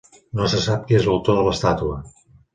No se sap qui és l'autor de l'estàtua.